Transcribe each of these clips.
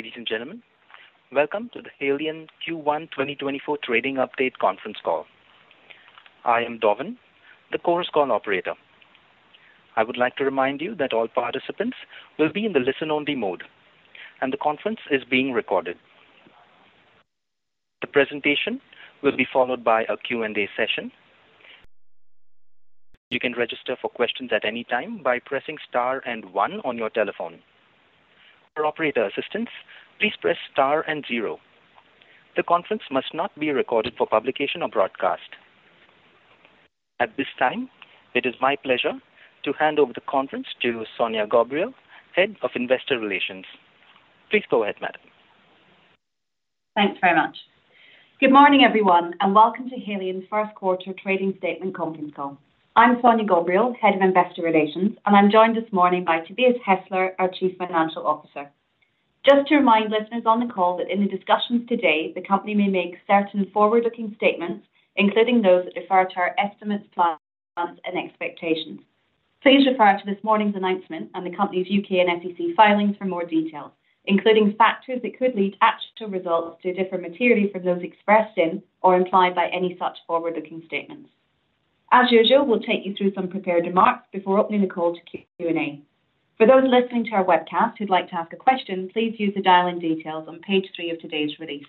Ladies and gentlemen, welcome to the Haleon Q1 2024 Trading Update conference call. I am Darvin, the Chorus Call operator. I would like to remind you that all participants will be in the listen-only mode, and the conference is being recorded. The presentation will be followed by a Q&A session. You can register for questions at any time by pressing star and one on your telephone. For operator assistance, please press star and zero. The conference must not be recorded for publication or broadcast. At this time, it is my pleasure to hand over the conference to Sonya Ghobrial, Head of Investor Relations. Please go ahead, madam. Thanks very much. Good morning, everyone, and welcome to Haleon first quarter trading statement conference call. I'm Sonya Ghobrial, Head of Investor Relations, and I'm joined this morning by Tobias Hestler, our Chief Financial Officer. Just to remind listeners on the call that in the discussions today, the company may make certain forward-looking statements, including those that refer to our estimates, plans, and expectations. Please refer to this morning's announcement and the company's U.K. and FTC filings for more details, including factors that could lead actual results to differ materially from those expressed in or implied by any such forward-looking statements. As usual, we'll take you through some prepared remarks before opening the call to Q&A. For those listening to our webcast who'd like to ask a question, please use the dial-in details on page three of today's release.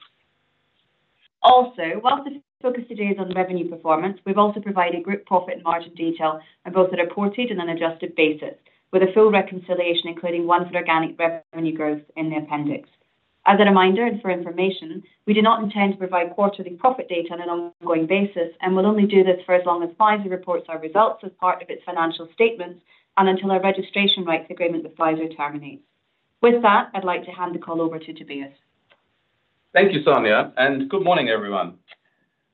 Also, while the focus today is on the revenue performance, we've also provided group profit and margin detail on both a reported and an adjusted basis, with a full reconciliation, including one for organic revenue growth in the appendix. As a reminder and for information, we do not intend to provide quarterly profit data on an ongoing basis and will only do this for as long as Pfizer reports our results as part of its financial statements and until our registration rights agreement with Pfizer terminates. With that, I'd like to hand the call over to Tobias. Thank you, Sonya, and good morning, everyone.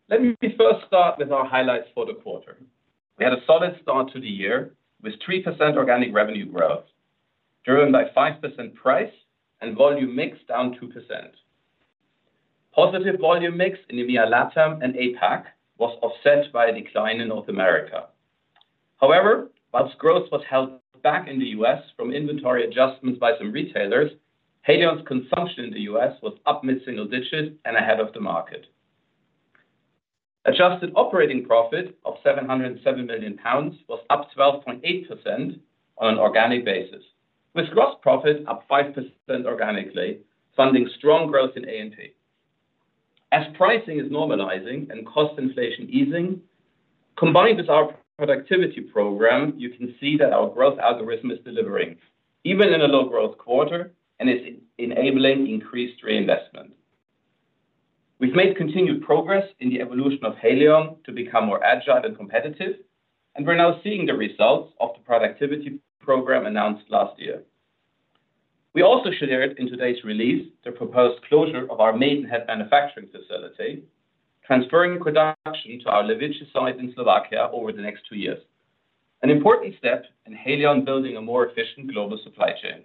Let me first start with our highlights for the quarter. We had a solid start to the year with 3% organic revenue growth, driven by 5% price and volume mix down 2%. Positive volume mix in EMEA, LATAM, and APAC was offset by a decline in North America. However, whilst growth was held back in the U.S. from inventory adjustments by some retailers, Haleon's consumption in the U.S. was up mid-single digits and ahead of the market. Adjusted operating profit of 707 million pounds was up 12.8% on an organic basis, with gross profit up 5% organically, funding strong growth in A&P. As pricing is normalizing and cost inflation easing, combined with our productivity program, you can see that our growth algorithm is delivering even in a low-growth quarter, and it's enabling increased reinvestment. We've made continued progress in the evolution of Haleon to become more agile and competitive, and we're now seeing the results of the productivity program announced last year. We also shared in today's release the proposed closure of our Maidenhead manufacturing facility, transferring production to our Levice site in Slovakia over the next two years, an important step in Haleon building a more efficient global supply chain.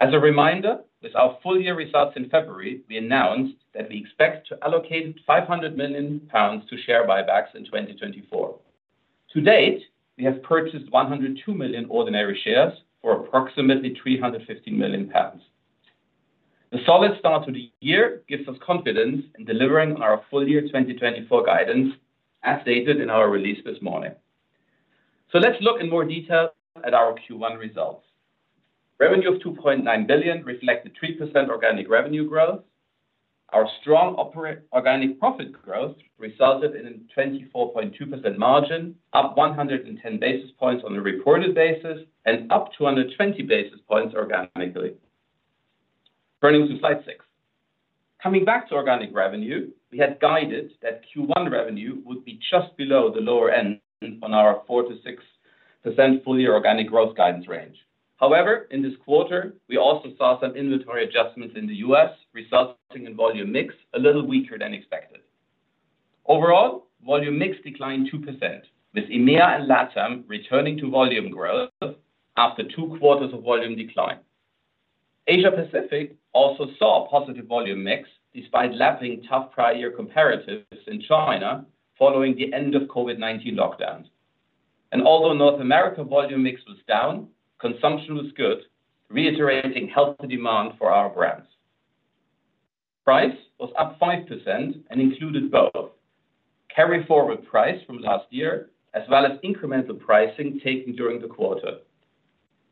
As a reminder, with our full-year results in February, we announced that we expect to allocate 500 million pounds to share buybacks in 2024. To date, we have purchased 102 million ordinary shares for approximately 350 million pounds. The solid start to the year gives us confidence in delivering on our full year 2024 guidance, as stated in our release this morning. Let's look in more detail at our Q1 results. Revenue of $2.9 billion reflected 3% organic revenue growth. Our strong organic profit growth resulted in a 24.2% margin, up 110 basis points on a reported basis and up 220 basis points organically. Turning to slide 6. Coming back to organic revenue, we had guided that Q1 revenue would be just below the lower end of our 4%-6% full year organic growth guidance range. However, in this quarter, we also saw some inventory adjustments in the U.S., resulting in volume mix a little weaker than expected. Overall, volume mix declined 2%, with EMEA and LATAM returning to volume growth after two quarters of volume decline. Asia Pacific also saw a positive volume mix despite lapping tough prior year comparatives in China following the end of COVID-19 lockdowns. Although North America volume mix was down, consumption was good, reiterating healthy demand for our brands. Price was up 5% and included both carry forward price from last year as well as incremental pricing taken during the quarter.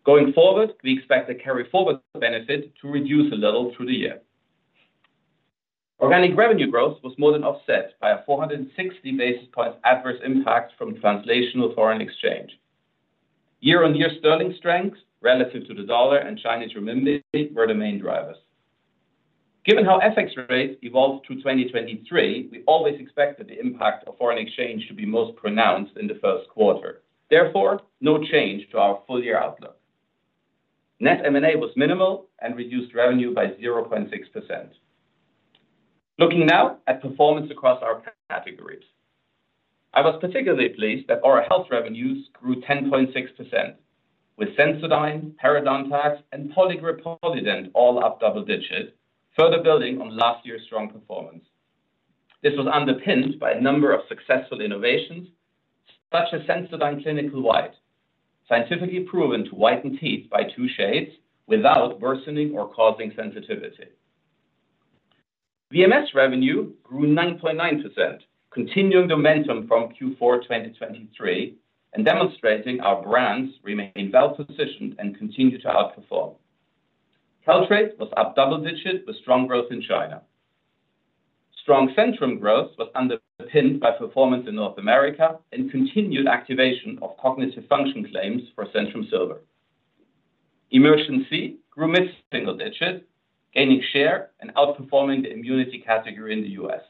Going forward, we expect a carry forward benefit to reduce a little through the year. Organic revenue growth was more than offset by a 460 basis point adverse impact from translational foreign exchange. Year-on-year sterling strength relative to the dollar and Chinese renminbi were the main drivers. Given how FX rates evolved through 2023, we always expected the impact of foreign exchange to be most pronounced in the first quarter. Therefore, no change to our full year outlook. Net M&A was minimal and reduced revenue by 0.6%. Looking now at performance across our categories. I was particularly pleased that our health revenues grew 10.6%, with Sensodyne, Parodontax, and Poligrip Polident all up double digits, further building on last year's strong performance.... This was underpinned by a number of successful innovations, such as Sensodyne Clinical White, scientifically proven to whiten teeth by two shades without worsening or causing sensitivity. VMS revenue grew 9.9%, continuing momentum from Q4 2023, and demonstrating our brands remain well-positioned and continue to outperform. Caltrate was up double digits, with strong growth in China. Strong Centrum growth was underpinned by performance in North America and continued activation of cognitive function claims for Centrum Silver. Emergen-C grew mid-single digits, gaining share and outperforming the immunity category in the U.S.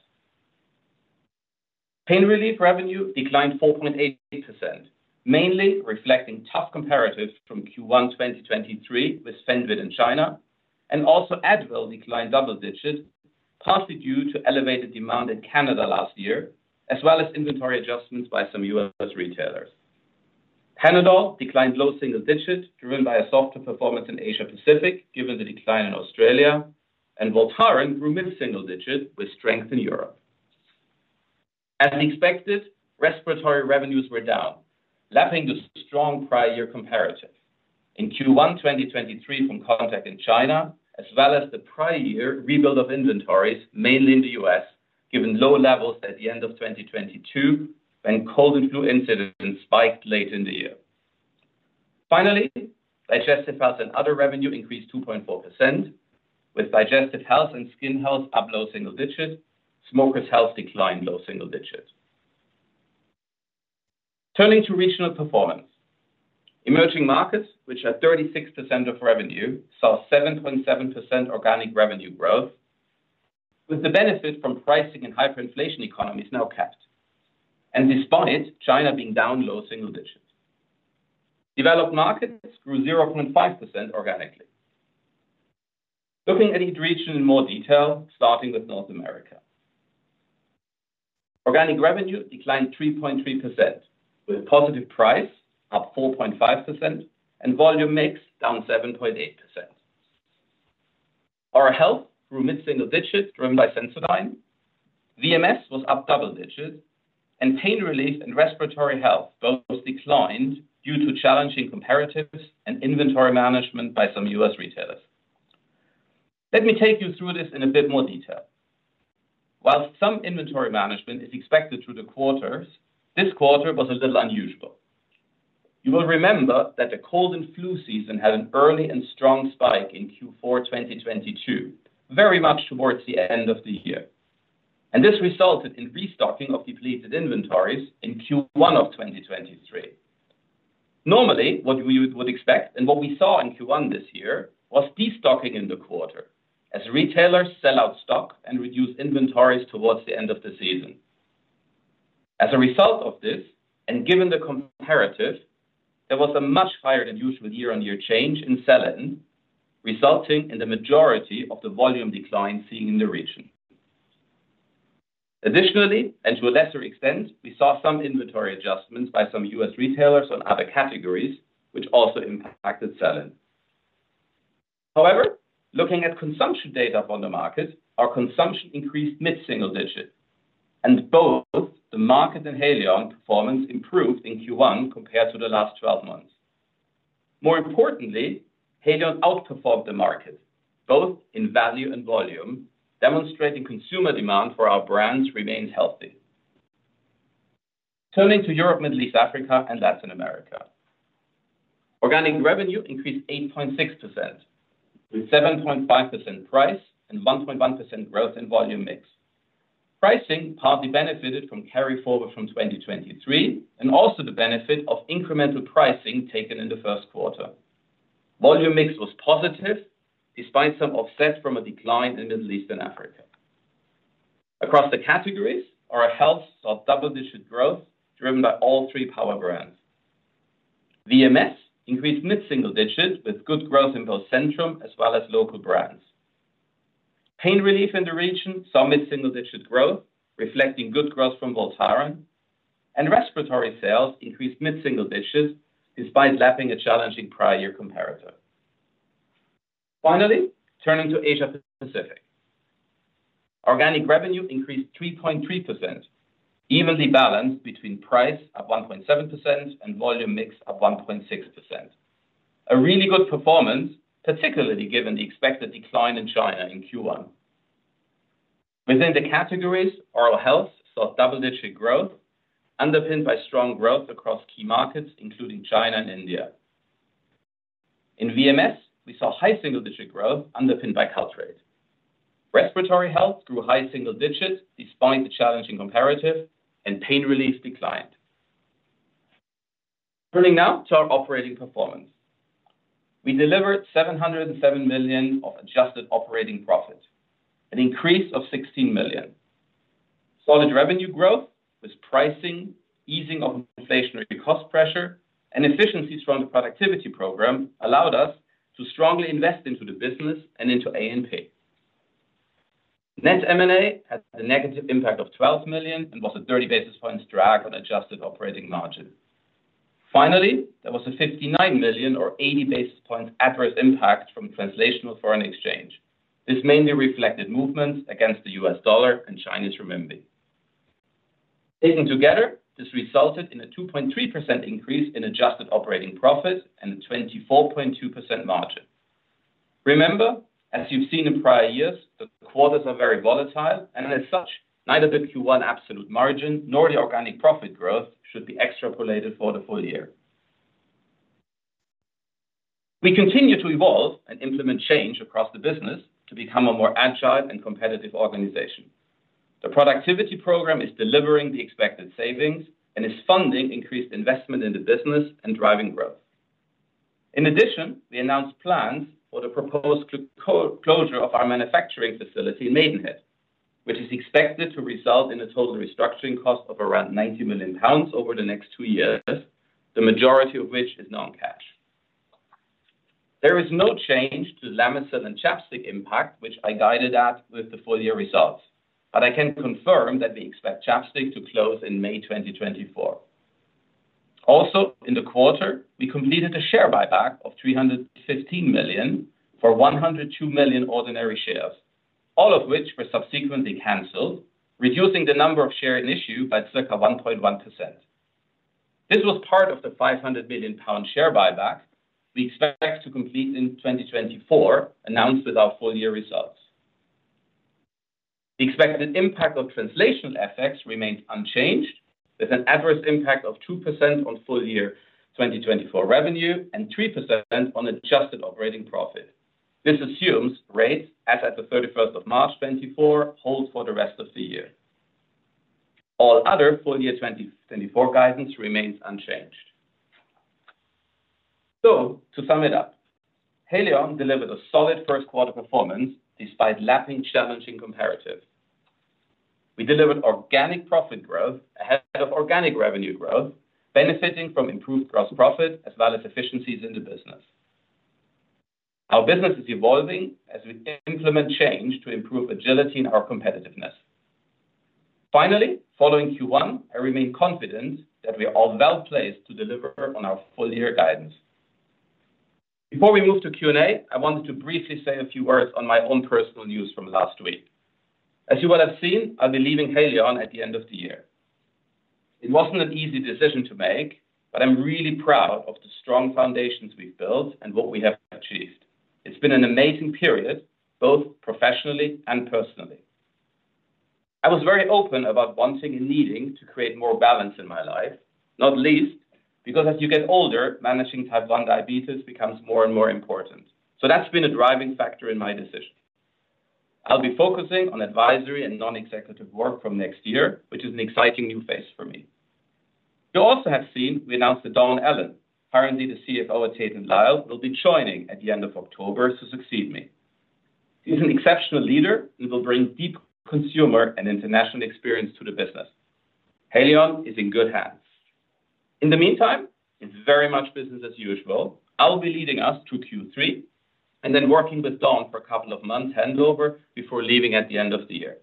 Pain Relief revenue declined 4.8%, mainly reflecting tough comparatives from Q1 2023 with Fenvid in China, and also Advil declined double digits, partly due to elevated demand in Canada last year, as well as inventory adjustments by some U.S. retailers. Panadol declined low single digits, driven by a softer performance in Asia Pacific, given the decline in Australia, and Voltaren grew mid-single digits with strength in Europe. As expected, Respiratory revenues were down, lapping the strong prior year comparatives. In Q1 2023 from Contac in China, as well as the prior year rebuild of inventories, mainly in the U.S., given low levels at the end of 2022, when cold and flu incidents spiked late in the year. Finally, digestive health and other revenue increased 2.4%, with digestive health and skin health up low single digits. Smoker's health declined low single digits. Turning to regional performance. Emerging markets, which are 36% of revenue, saw 7.7% organic revenue growth, with the benefit from pricing and hyperinflation economies now capped, and despite it, China being down low single digits. Developed markets grew 0.5% organically. Looking at each region in more detail, starting with North America. Organic revenue declined 3.3%, with positive price up 4.5% and volume mix down 7.8%. Oral Health grew mid-single digits, driven by Sensodyne. VMS was up double digits, and Pain Relief and Respiratory Health both declined due to challenging comparatives and inventory management by some U.S. retailers. Let me take you through this in a bit more detail. While some inventory management is expected through the quarters, this quarter was a little unusual. You will remember that the cold and flu season had an early and strong spike in Q4 2022, very much towards the end of the year, and this resulted in restocking of depleted inventories in Q1 of 2023. Normally, what we would expect, and what we saw in Q1 this year, was destocking in the quarter as retailers sell out stock and reduce inventories towards the end of the season. As a result of this, and given the comparatives, there was a much higher than usual year-on-year change in sell-in, resulting in the majority of the volume decline seen in the region. Additionally, and to a lesser extent, we saw some inventory adjustments by some U.S. retailers on other categories, which also impacted sell-in. However, looking at consumption data on the market, our consumption increased mid-single digits, and both the market and Haleon performance improved in Q1 compared to the last twelve months. More importantly, Haleon outperformed the market, both in value and volume, demonstrating consumer demand for our brands remained healthy. Turning to Europe, Middle East, Africa, and Latin America. Organic revenue increased 8.6%, with 7.5% price and 1.1% growth in volume mix. Pricing partly benefited from carry forward from 2023, and also the benefit of incremental pricing taken in the first quarter. Volume mix was positive, despite some offsets from a decline in Middle East and Africa. Across the categories, our health saw double-digit growth, driven by all three power brands. VMS increased mid-single digits, with good growth in both Centrum as well as local brands. Pain Relief in the region saw mid-single-digit growth, reflecting good growth from Voltaren, and Respiratory sales increased mid-single digits, despite lapping a challenging prior year comparator. Finally, turning to Asia Pacific. Organic revenue increased 3.3%, evenly balanced between price at 1.7% and volume mix at 1.6%. A really good performance, particularly given the expected decline in China in Q1. Within the categories, oral health saw double-digit growth, underpinned by strong growth across key markets, including China and India. In VMS, we saw high single-digit growth underpinned by Caltrate. Respiratory Health grew high single digits, despite the challenging comparative and Pain Relief declined. Turning now to our operating performance. We delivered 707 million of adjusted operating profit, an increase of 16 million. Solid revenue growth with pricing, easing of inflationary cost pressure, and efficiency from the productivity program allowed us to strongly invest into the business and into A&P. Net M&A had a negative impact of 12 million and was a 30 basis points drag on adjusted operating margin. Finally, there was a 59 million or 80 basis points adverse impact from translational foreign exchange. This mainly reflected movements against the U.S. dollar and Chinese renminbi. Taken together, this resulted in a 2.3% increase in adjusted operating profit and a 24.2% margin. Remember, as you've seen in prior years, the quarters are very volatile, and as such, neither the Q1 absolute margin nor the organic profit growth should be extrapolated for the full year. We continue to evolve and implement change across the business to become a more agile and competitive organization. The productivity program is delivering the expected savings and is funding increased investment in the business and driving growth. In addition, we announced plans for the proposed co-closure of our manufacturing facility in Maidenhead, which is expected to result in a total restructuring cost of around 90 million pounds over the next two years, the majority of which is non-cash. There is no change to Lamisil and ChapStick impact, which I guided at with the full year results, but I can confirm that we expect ChapStick to close in May 2024. Also, in the quarter, we completed a share buyback of 315 million for 102 million ordinary shares, all of which were subsequently canceled, reducing the number of shares in issue by circa 1.1%. This was part of the 500 million pound share buyback we expect to complete in 2024, announced with our full year results. The expected impact of translational effects remained unchanged, with an adverse impact of 2% on full year 2024 revenue and 3% on adjusted operating profit. This assumes rates as at the 31st of March 2024, hold for the rest of the year. All other full year 2024 guidance remains unchanged. So to sum it up, Haleon delivered a solid first quarter performance despite lapping challenging comparatives. We delivered organic profit growth ahead of organic revenue growth, benefiting from improved gross profit as well as efficiencies in the business. Our business is evolving as we implement change to improve agility and our competitiveness. Finally, following Q1, I remain confident that we are well placed to deliver on our full year guidance. Before we move to Q&A, I wanted to briefly say a few words on my own personal news from last week. As you will have seen, I'll be leaving Haleon at the end of the year. It wasn't an easy decision to make, but I'm really proud of the strong foundations we've built and what we have achieved. It's been an amazing period, both professionally and personally. I was very open about wanting and needing to create more balance in my life, not least because as you get older, managing type 1 diabetes becomes more and more important. So that's been a driving factor in my decision. I'll be focusing on advisory and non-executive work from next year, which is an exciting new phase for me. You also have seen, we announced that Dawn Allen, currently the CFO at Tate & Lyle, will be joining at the end of October to succeed me. She's an exceptional leader and will bring deep consumer and international experience to the business. Haleon is in good hands. In the meantime, it's very much business as usual. I'll be leading us to Q3 and then working with Dawn for a couple of months handover before leaving at the end of the year.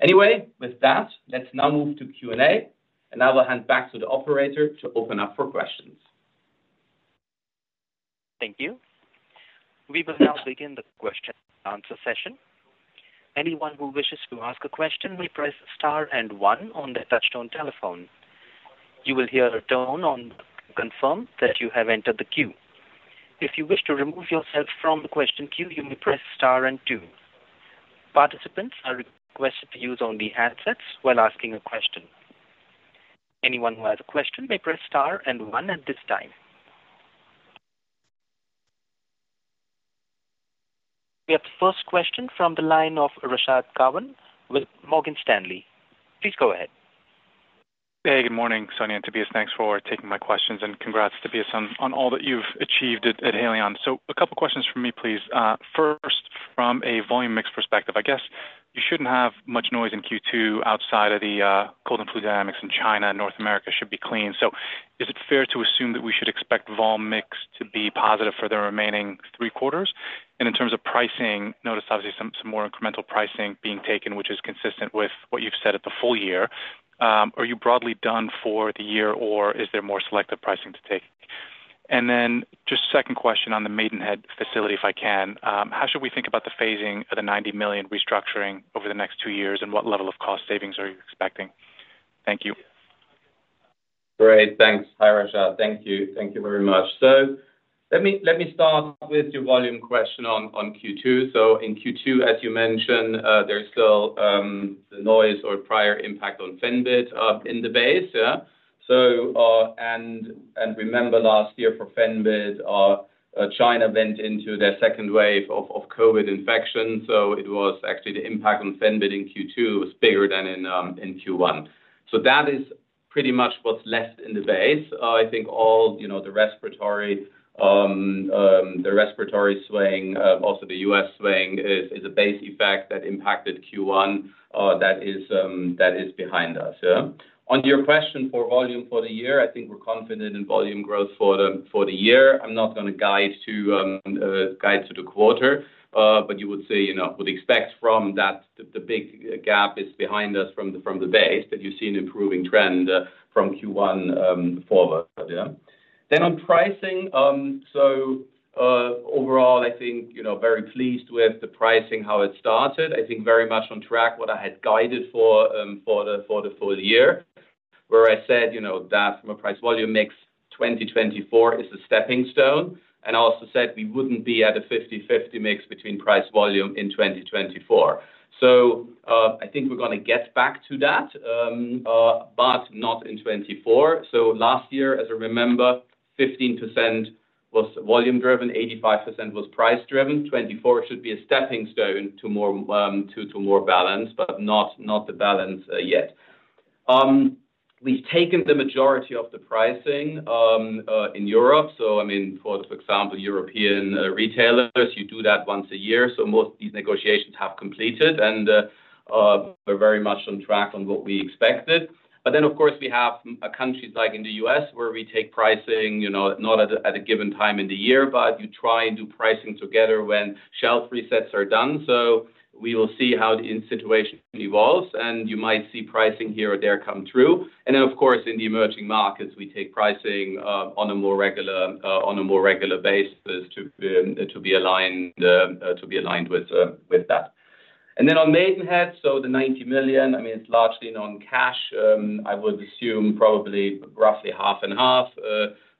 Anyway, with that, let's now move to Q&A, and I will hand back to the operator to open up for questions. Thank you. We will now begin the question and answer session. Anyone who wishes to ask a question may press star and one on their touchtone telephone. You will hear a tone to confirm that you have entered the queue. If you wish to remove yourself from the question queue, you may press star and two. Participants are requested to use only handsets when asking a question. Anyone who has a question may press star and one at this time. We have the first question from the line of Rashad Kawan with Morgan Stanley. Please go ahead. Hey, good morning, Sonya and Tobias. Thanks for taking my questions, and congrats, Tobias, on, on all that you've achieved at, at Haleon. A couple questions from me, please. First, from a volume mix perspective, I guess you shouldn't have much noise in Q2 outside of the cold and flu dynamics in China, and North America should be clean. Is it fair to assume that we should expect vol mix to be positive for the remaining three quarters? And in terms of pricing, notice obviously some, some more incremental pricing being taken, which is consistent with what you've said at the full year. Are you broadly done for the year, or is there more selective pricing to take? And then just second question on the Maidenhead facility, if I can. How should we think about the phasing of the 90 million restructuring over the next two years, and what level of cost savings are you expecting? Thank you. Great. Thanks. Hi, Rashad. Thank you. Thank you very much. So let me, let me start with your volume question on, on Q2. So in Q2, as you mentioned, there's still the noise or prior impact on Fenbid in the base. Yeah. So, and, and remember last year for Fenbid, China went into their second wave of, of COVID infection, so it was actually the impact on Fenbid in Q2 was bigger than in, in Q1. So that is pretty much what's left in the base. I think all, you know, the Respiratory, the Respiratory swaying, also the U.S. swaying is, is a base effect that impacted Q1, that is, that is behind us. Yeah. On your question for volume for the year, I think we're confident in volume growth for the, for the year. I'm not going to guide to the quarter, but you would say, you know, would expect from that the big gap is behind us from the base, but you see an improving trend from Q1 forward. Yeah. Then on pricing, so overall, I think, you know, very pleased with the pricing, how it started. I think very much on track, what I had guided for the full year, where I said, you know, that from a price volume mix, 2024 is a stepping stone, and also said we wouldn't be at a 50/50 mix between price volume in 2024. So, I think we're gonna get back to that, but not in 2024. So last year, as I remember, 15% was volume-driven, 85% was price-driven. 2024 should be a stepping stone to more balance, but not the balance yet. We've taken the majority of the pricing in Europe. So I mean, for example, European retailers, you do that once a year, so most of these negotiations have completed, and we're very much on track on what we expected. But then, of course, we have countries like in the U.S., where we take pricing, you know, not at a given time in the year, but you try and do pricing together when shelf resets are done. So we will see how the end situation evolves, and you might see pricing here or there come through. And then, of course, in the emerging markets, we take pricing on a more regular basis to be aligned with that. And then on Maidenhead, so the 90 million, I mean, it's largely non-cash. I would assume probably roughly half and half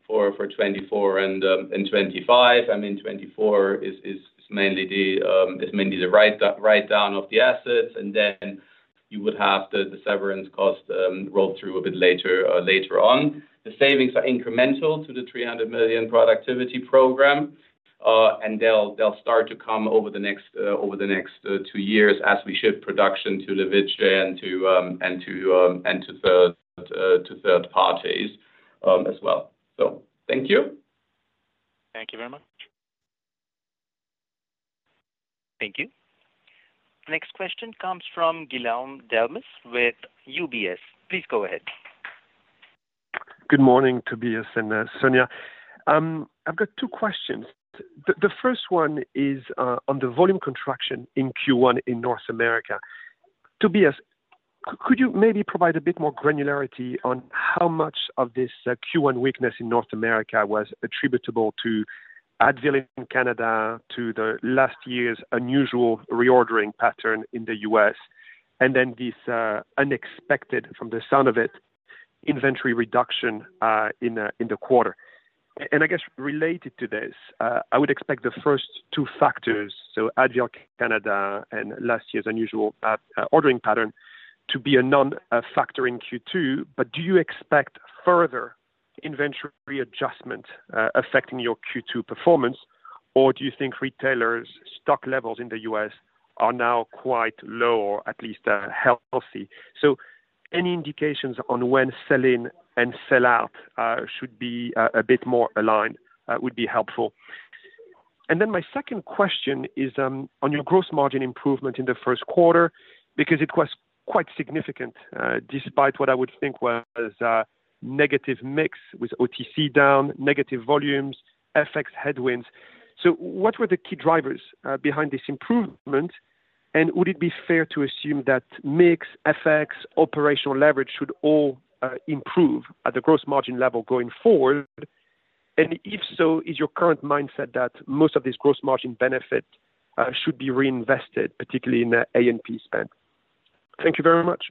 for 2024 and 2025. I mean, 2024 is mainly the write-down of the assets, and then you would have the severance cost roll through a bit later on. The savings are incremental to the 300 million productivity program, and they'll start to come over the next two years as we ship production to the Levice and to third parties, as well. So thank you. Thank you very much. Thank you. Next question comes from Guillaume Delmas with UBS. Please go ahead. Good morning, Tobias and, Sonya. I've got two questions. The first one is on the volume contraction in Q1 in North America. Tobias, could you maybe provide a bit more granularity on how much of this Q1 weakness in North America was attributable to Advil in Canada, to last year's unusual reordering pattern in the U.S., and then this unexpected, from the sound of it, inventory reduction in the quarter? And I guess related to this, I would expect the first two factors, so Advil Canada, and last year's unusual ordering pattern, to be a non-factor in Q2, but do you expect further inventory adjustment affecting your Q2 performance, or do you think retailers' stock levels in the U.S. are now quite low, or at least healthy? So any indications on when sell-in and sell out should be a bit more aligned would be helpful. And then my second question is on your gross margin improvement in the first quarter, because it was quite significant, despite what I would think was negative mix with OTC down, negative volumes, FX headwinds. So what were the key drivers behind this improvement? And would it be fair to assume that mix, FX, operational leverage should all improve at the gross margin level going forward? And if so, is your current mindset that most of this gross margin benefit should be reinvested, particularly in the A&P spend? Thank you very much.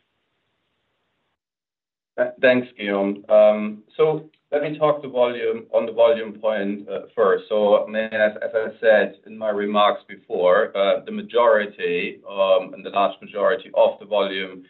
Thanks, Guillaume. So let me talk the volume, on the volume point, first. So, as I said in my remarks before, the majority, and the large majority of the volume,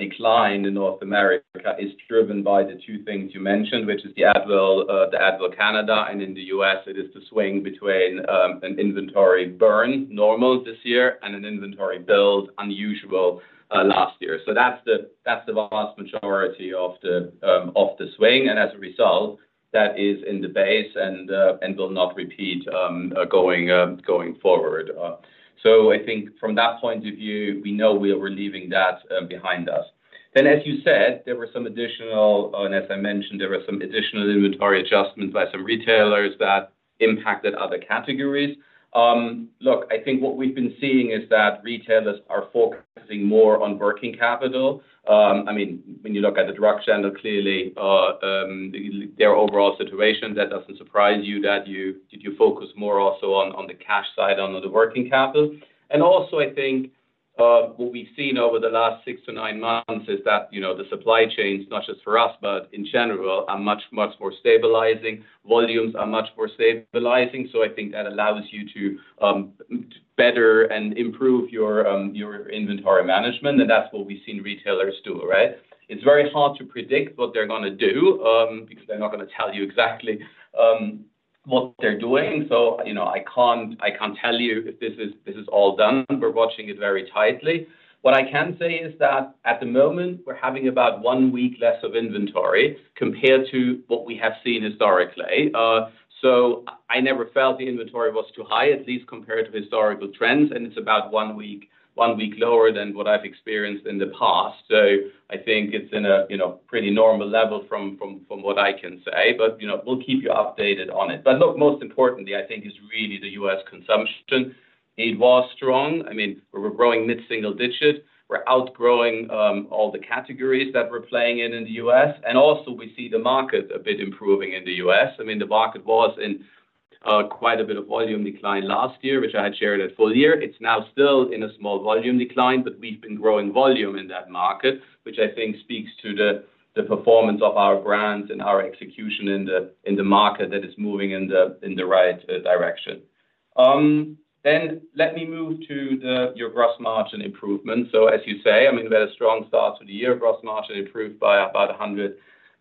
decline in North America is driven by the two things you mentioned, which is the Advil, the Advil Canada, and in the U.S., it is the swing between, an inventory burn, normal this year, and an inventory build, unusual, last year. So that's the, that's the vast majority of the, of the swing, and as a result, that is in the base and, and will not repeat, going, going forward. So I think from that point of view, we know we are leaving that, behind us. Then, as you said, there were some additional... As I mentioned, there were some additional inventory adjustments by some retailers that impacted other categories. Look, I think what we've been seeing is that retailers are focusing more on working capital. I mean, when you look at the drug channel, clearly, their overall situation, that doesn't surprise you, did you focus more also on the cash side, on the working capital? Also, I think, what we've seen over the last six-nine months is that, you know, the supply chains, not just for us, but in general, are much, much more stabilizing. Volumes are much more stabilizing, so I think that allows you to better and improve your inventory management, and that's what we've seen retailers do, right? It's very hard to predict what they're gonna do, because they're not gonna tell you exactly what they're doing. So, you know, I can't, I can't tell you if this is, this is all done. We're watching it very tightly. What I can say is that at the moment, we're having about one week less of inventory compared to what we have seen historically. So I never felt the inventory was too high, at least compared to historical trends, and it's about one week, one week lower than what I've experienced in the past. So I think it's in a, you know, pretty normal level from what I can say, but, you know, we'll keep you updated on it. But look, most importantly, I think is really the U.S. consumption. It was strong. I mean, we're growing mid-single digit. We're outgrowing all the categories that we're playing in, in the U.S., and also we see the market a bit improving in the U.S. I mean, the market was in quite a bit of volume decline last year, which I had shared at full year. It's now still in a small volume decline, but we've been growing volume in that market, which I think speaks to the performance of our brands and our execution in the market that is moving in the right direction. Then let me move to your gross margin improvement. So as you say, I mean, we had a very strong start to the year. Gross margin improved by about 100,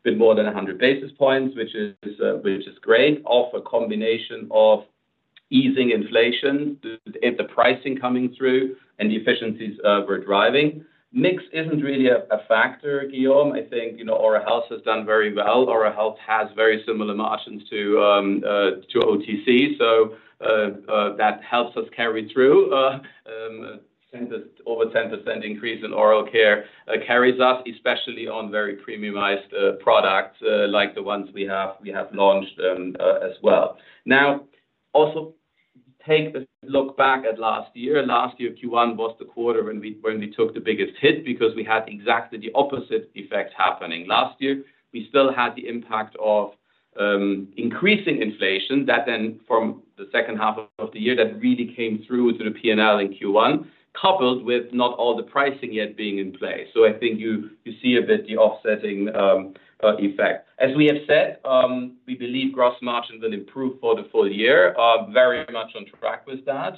a bit more than 100 basis points, which is great, of a combination of easing inflation, and the pricing coming through and the efficiencies we're driving. Mix isn't really a factor, Guillaume. I think, you know, Oral Health has done very well. Oral Health has very similar margins to OTC, so that helps us carry through. Over 10% increase in Oral Care carries us, especially on very premiumised products like the ones we have launched as well. Now, also take a look back at last year. Last year, Q1 was the quarter when we took the biggest hit because we had exactly the opposite effects happening. Last year, we still had the impact of increasing inflation that then from the second half of the year, that really came through to the P&L in Q1, coupled with not all the pricing yet being in place. So I think you, you see a bit the offsetting effect. As we have said, we believe gross margin will improve for the full year, are very much on track with that.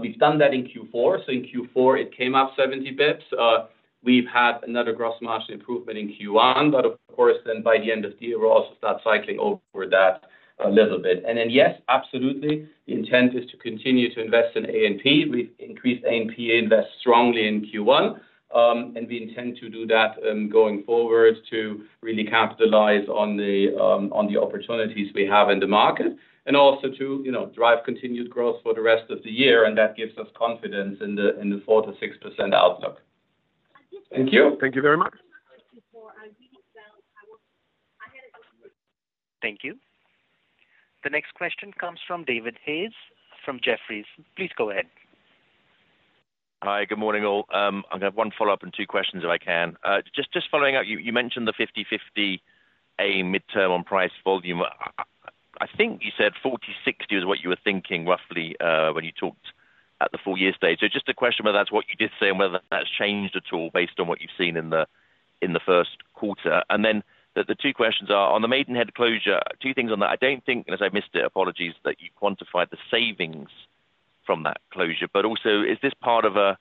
We've done that in Q4. So in Q4, it came up 70 basis points. We've had another gross margin improvement in Q1, but of course, then by the end of the year, we'll also start cycling over that a little bit. And then, yes, absolutely, the intent is to continue to invest in A&P. We increased A&P, invest strongly in Q1, and we intend to do that, going forward to really capitalize on the, on the opportunities we have in the market, and also to, you know, drive continued growth for the rest of the year, and that gives us confidence in the, in the 4%-6% outlook. Thank you. Thank you very much. Thank you. The next question comes from David Hayes, from Jefferies. Please go ahead. Hi, good morning, all. I've got one follow-up and two questions, if I can. Just following up, you mentioned the 50/50 a midterm on price volume. I think you said 40/60 was what you were thinking, roughly, when you talked at the full year stage. So just a question whether that's what you did say and whether that's changed at all based on what you've seen in the first quarter. And then the two questions are: on the Maidenhead closure, two things on that. I don't think, and if I missed it, apologies, that you quantified the savings from that closure, but also, is this part of a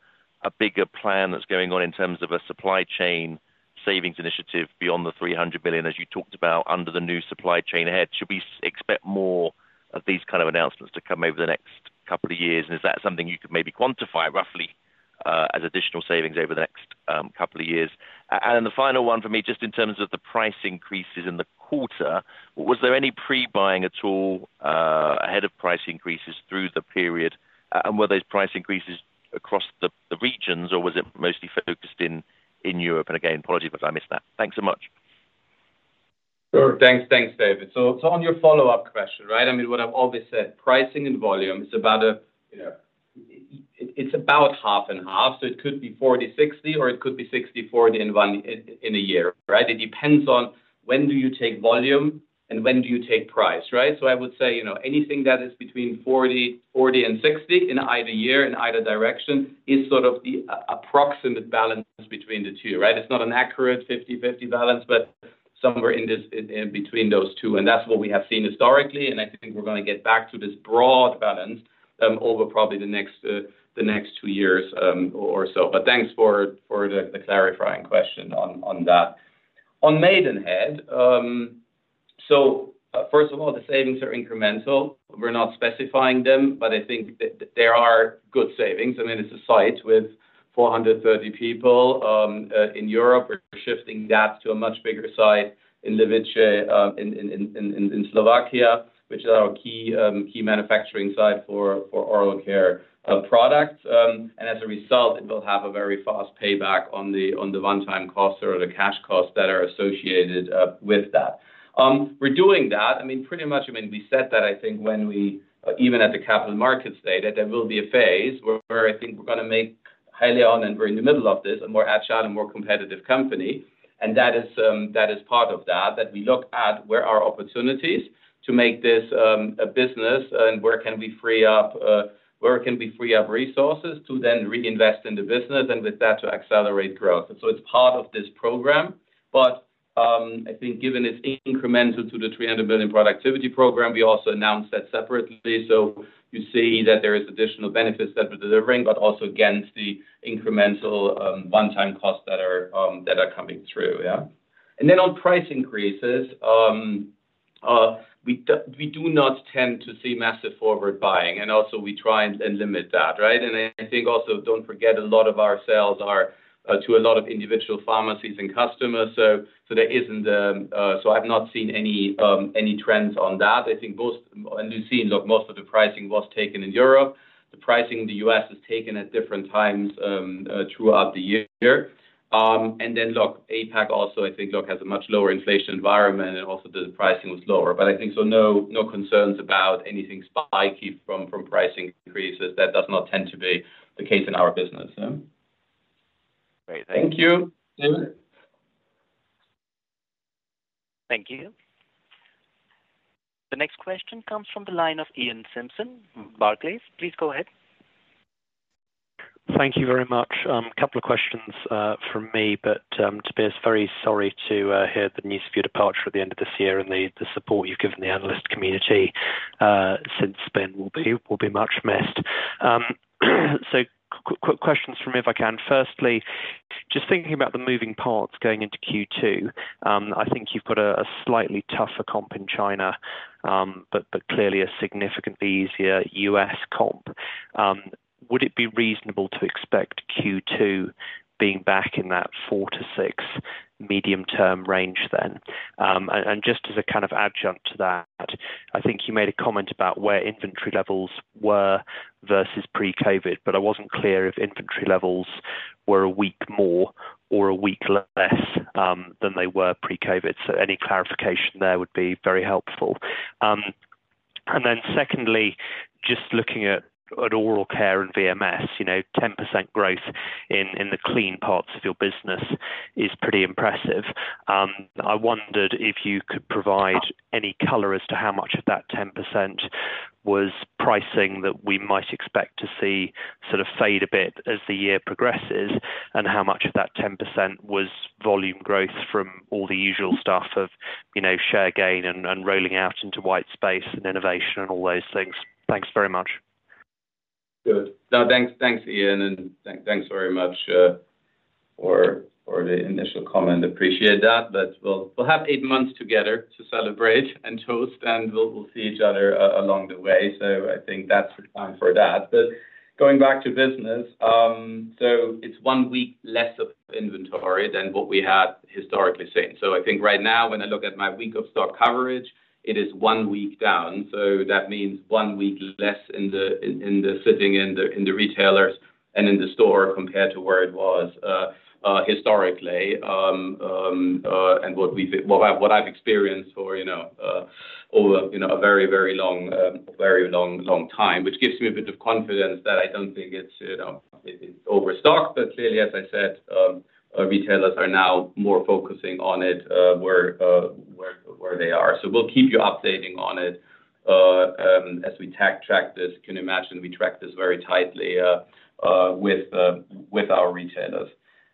bigger plan that's going on in terms of a supply chain savings initiative beyond the 300 billion, as you talked about under the new supply chain ahead? Should we expect more of these kind of announcements to come over the next couple of years, and is that something you could maybe quantify roughly, as additional savings over the next couple of years? And the final one for me, just in terms of the price increases in the quarter, was there any pre-buying at all, ahead of price increases through the period? And were those price increases across the regions, or was it mostly focused in Europe? And again, apologies if I missed that. Thanks so much. Sure. Thanks. Thanks, David. So, on your follow-up question, right? I mean, what I've always said, pricing and volume, it's about a, you know. It's about half and half, so it could be 40/60, or it could be 60/40 in one, in a year, right? It depends on when do you take volume and when do you take price, right? So I would say, you know, anything that is between 40 and 60 in either year, in either direction, is sort of the approximate balance between the two, right? It's not an accurate 50/50 balance, but somewhere in this, in between those two, and that's what we have seen historically, and I think we're going to get back to this broad balance, over probably the next, the next two years, or so. But thanks for, for the, the clarifying question on, that. On Maidenhead, so first of all, the savings are incremental. We're not specifying them, but I think that there are good savings. I mean, it's a site with 430 people in Europe. We're shifting that to a much bigger site in Levice in Slovakia, which is our key manufacturing site for Oral Care products. And as a result, it will have a very fast payback on the one-time costs or the cash costs that are associated with that. We're doing that, I mean, pretty much, I mean, we said that I think when we even at the Capital Markets Day, that there will be a phase where I think we're going to make Haleon, and we're in the middle of this, a more agile and more competitive company. And that is part of that that we look at where are opportunities to make this a business, and where can we free up resources to then reinvest in the business and with that, to accelerate growth. So it's part of this program, but I think given it's incremental to the 300 billion productivity program, we also announced that separately. So you see that there is additional benefits that we're delivering, but also against the incremental one-time costs that are coming through. Yeah. And then on price increases, we do not tend to see massive forward buying, and also we try and limit that, right? I think also, don't forget, a lot of our sales are to a lot of individual pharmacies and customers, so there isn't. So I've not seen any trends on that. I think most, and you've seen, look, most of the pricing was taken in Europe. The pricing in the U.S. is taken at different times throughout the year. And then look, APAC also, I think, look, has a much lower inflation environment and also the pricing was lower. But I think so no, no concerns about anything spiky from pricing increases. That does not tend to be the case in our business, so. Great. Thank you, Tim. Thank you. The next question comes from the line of Iain Simpson, Barclays. Please go ahead. Thank you very much. A couple of questions from me, but Tobias, very sorry to hear the news of your departure at the end of this year, and the support you've given the analyst community since then will be much missed. So questions from me, if I can. Firstly, just thinking about the moving parts going into Q2, I think you've got a slightly tougher comp in China, but clearly a significantly easier U.S. comp. Would it be reasonable to expect Q2 being back in that 4%-6% medium-term range then? And just as a kind of adjunct to that, I think you made a comment about where inventory levels were versus pre-COVID, but I wasn't clear if inventory levels were a week more or a week less than they were pre-COVID. Any clarification there would be very helpful. And then secondly, just looking at Oral Care and VMS, you know, 10% growth in the clean parts of your business is pretty impressive. I wondered if you could provide any color as to how much of that 10% was pricing that we might expect to see sort of fade a bit as the year progresses, and how much of that 10% was volume growth from all the usual stuff of, you know, share gain and rolling out into white space and innovation and all those things. Thanks very much. Good. No, thanks, Iain, and thanks very much for the initial comment. Appreciate that. But we'll have eight months together to celebrate and toast, and we'll see each other along the way. So I think that's time for that. But going back to business, so it's one week less of inventory than what we had historically seen. So I think right now, when I look at my week of stock coverage, it is one week down, so that means one week less in the sitting in the retailers and in the store, compared to where it was historically. And what we've... What I've experienced for, you know, over, you know, a very, very long, very long, long time, which gives me a bit of confidence that I don't think it's, you know, it's overstocked. But clearly, as I said, retailers are now more focusing on it, where they are. So we'll keep you updating on it, as we track this. You can imagine we track this very tightly, with our retailers.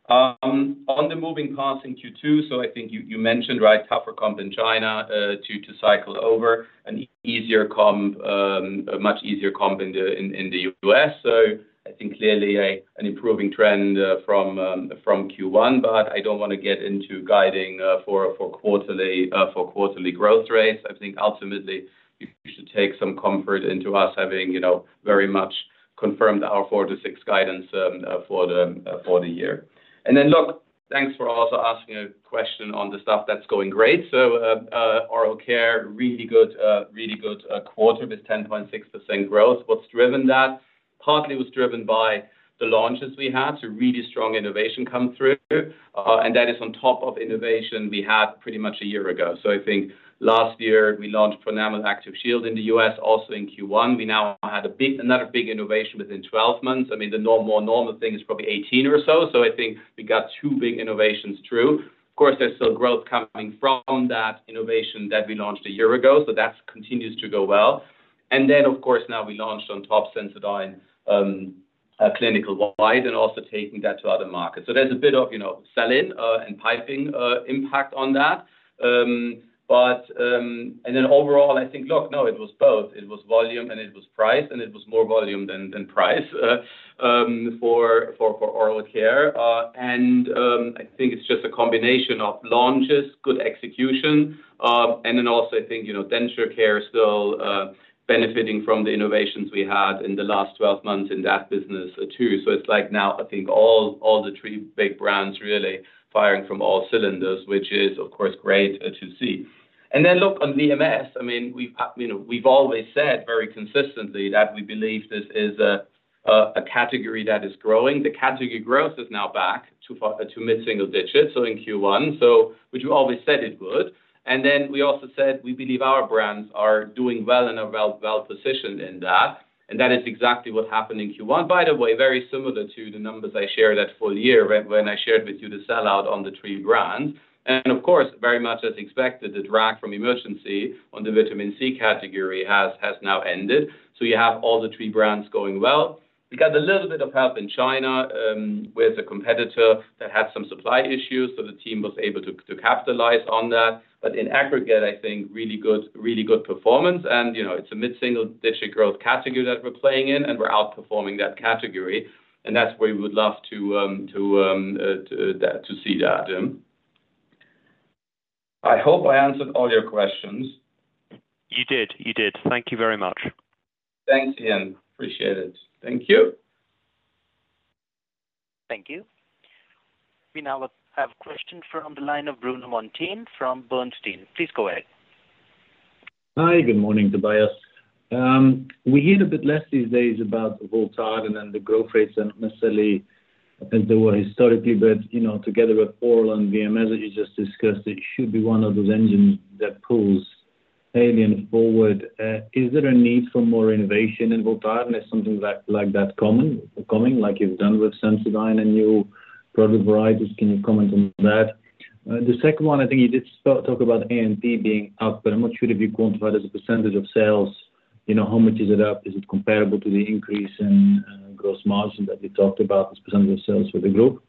On the moving parts in Q2, so I think you mentioned, right, tougher comp in China, to cycle over an easier comp, a much easier comp in the U.S. So I think clearly an improving trend from Q1, but I don't want to get into guiding for quarterly growth rates. I think ultimately, you should take some comfort into us having, you know, very much confirmed our 4%-6% guidance for the year. And then look, thanks for also asking a question on the stuff that's going great. So, Oral Care, really good, really good quarter with 10.6% growth. What's driven that? Partly was driven by the launches we had, so really strong innovation come through, and that is on top of innovation we had pretty much a year ago. So I think last year we launched Pronamel Active Shield in the U.S., also in Q1. We now had a big... another big innovation within 12 months. I mean, the normal thing is probably 18 or so. So I think we got two big innovations through. Of course, there's still growth coming from that innovation that we launched a year ago, so that continues to go well. And then, of course, now we launched on top Sensodyne clinical white and also taking that to other markets. So there's a bit of, you know, sell-in and piping impact on that. But then overall, I think, look, no, it was both. It was volume, and it was price, and it was more volume than price for Oral Care. And I think it's just a combination of launches, good execution, and then also, I think, you know, Denture Care is still benefiting from the innovations we had in the last 12 months in that business too. So it's like now, I think all the three big brands really firing from all cylinders, which is, of course, great to see. And then look, on VMS, I mean, we've, you know, we've always said very consistently that we believe this is a category that is growing. The category growth is now back to mid-single digits, so in Q1, which we always said it would. And then we also said we believe our brands are doing well and are well-positioned in that, and that is exactly what happened in Q1. By the way, very similar to the numbers I shared at full year, when I shared with you the sell-out on the three brands. Of course, very much as expected, the drag from Emergen-C on the vitamin C category has now ended, so you have all the three brands going well. We got a little bit of help in China with a competitor that had some supply issues, so the team was able to capitalize on that. But in aggregate, I think really good, really good performance. And, you know, it's a mid-single digit growth category that we're playing in, and we're outperforming that category, and that's where we would love to see that. I hope I answered all your questions. You did. You did. Thank you very much. Thanks, Iain. Appreciate it. Thank you. Thank you. We now have a question from the line of Bruno Monteyne from Bernstein. Please go ahead. Hi, good morning, Tobias. We hear a bit less these days about the Voltaren and the growth rates than necessarily as they were historically, but, you know, together with oral and VMS, as you just discussed, it should be one of those engines that pulls Haleon forward. Is there a need for more innovation in Voltaren? Is something like, like that common, coming, like you've done with Sensodyne and new product varieties? Can you comment on that? The second one, I think you did start talk about A&P being up, but I'm not sure if you quantified as a percentage of sales. You know, how much is it up? Is it comparable to the increase in gross margin that you talked about as percentage of sales for the group?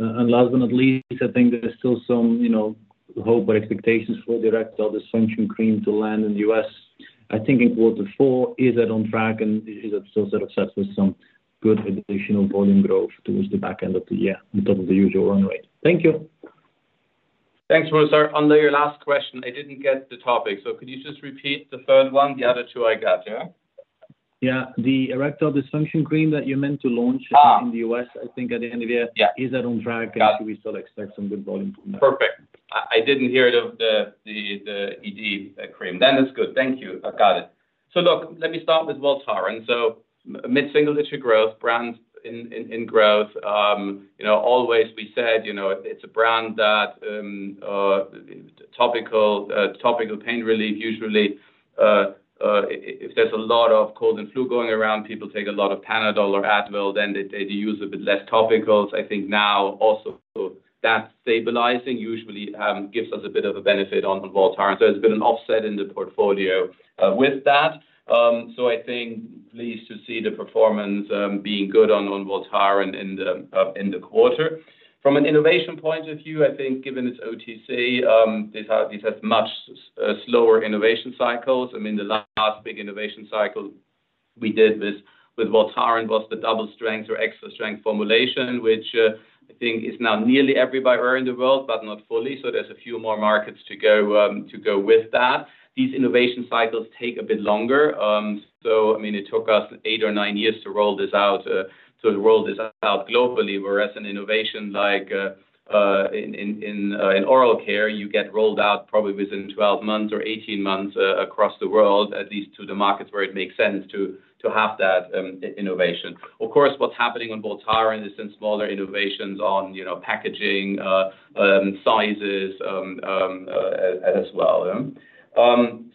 And last but not least, I think there is still some, you know, hope or expectations for erectile dysfunction cream to land in the U.S., I think in quarter four. Is that on track, and is it still sort of set with some good additional volume growth towards the back end of the year on top of the usual run rate? Thank you. Thanks, Bruno. On your last question, I didn't get the topic, so could you just repeat the third one? The other two I got, yeah. Yeah. The erectile dysfunction cream that you meant to launch- Ah. In the U.S., I think at the end of the year. Yeah. Is that on track? Got it. Should we still expect some good volume from that? Perfect. I didn't hear of the ED cream. Then it's good. Thank you. I got it. So look, let me start with Voltaren. So mid-single-digit growth, brands in growth. You know, always we said, you know, it's a brand that topical pain relief usually, if there's a lot of cold and flu going around, people take a lot of Panadol or Advil, then they use a bit less topicals. I think now also that stabilizing usually gives us a bit of a benefit on the Voltaren, so there's been an offset in the portfolio with that. So I think pleased to see the performance being good on Voltaren in the quarter. From an innovation point of view, I think given it's OTC, these have much slower innovation cycles. I mean, the last big innovation cycle we did with Voltaren was the double-strength or extra-strength formulation, which I think is now nearly everywhere in the world, but not fully. So there's a few more markets to go, to go with that. These innovation cycles take a bit longer. So, I mean, it took us eight or nine years to roll this out, so the world is out globally. Whereas an innovation like in Oral Care, you get rolled out probably within 12 months or 18 months across the world, at least to the markets where it makes sense to have that innovation. Of course, what's happening on Voltaren is some smaller innovations on, you know, packaging, sizes, as well.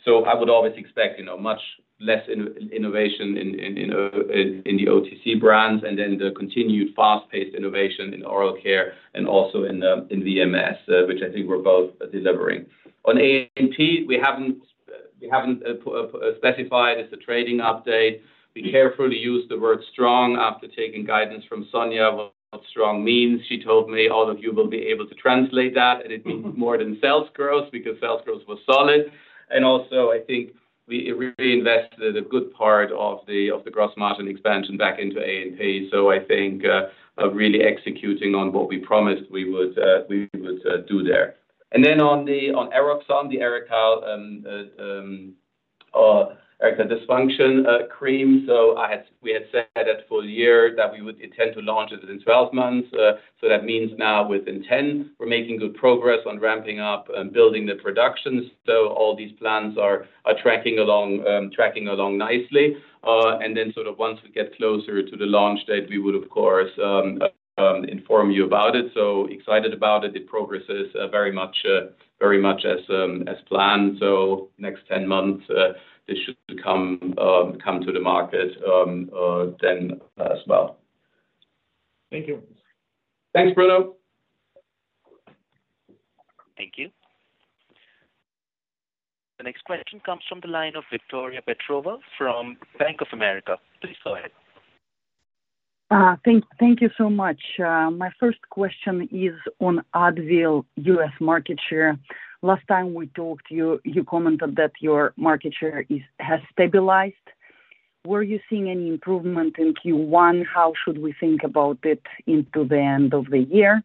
So I would always expect, you know, much less innovation in the OTC brands, and then the continued fast-paced innovation in Oral Care and also in VMS, which I think we're both delivering. On A&P, we haven't specified as a trading update. We carefully use the word strong after taking guidance from Sonya, what strong means. She told me all of you will be able to translate that, and it means more than sales growth, because sales growth was solid. And also, I think we really invested a good part of the gross margin expansion back into A&P. So I think, really executing on what we promised we would do there. And then on Eroxon, the erectile dysfunction cream. So we had said that full year that we would intend to launch it in 12 months, so that means now within 10. We're making good progress on ramping up and building the production. So all these plans are tracking along nicely. And then sort of once we get closer to the launch date, we would of course inform you about it. So excited about it. The progress is very much as planned. So next 10 months, this should come to the market, then as well. Thank you. Thanks, Bruno. Thank you. The next question comes from the line of Viktoria Petrova from Bank of America. Please go ahead. Thank you so much. My first question is on Advil U.S. market share. Last time we talked, you commented that your market share has stabilized. Were you seeing any improvement in Q1? How should we think about it into the end of the year?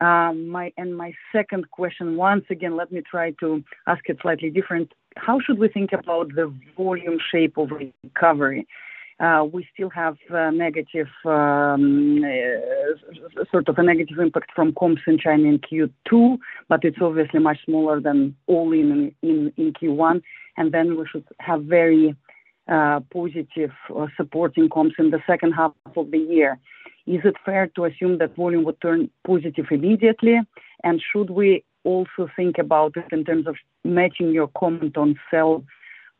And my second question, once again, let me try to ask it slightly different. How should we think about the volume shape of recovery? We still have sort of a negative impact from comps in China in Q2, but it's obviously much smaller than all in Q1. And then we should have very positive or supporting comps in the second half of the year. Is it fair to assume that volume would turn positive immediately? Should we also think about it in terms of matching your comment